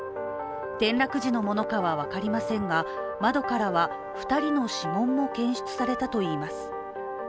転落時のものかは分かりませんが窓からは、２人の指紋も検出されたといいます。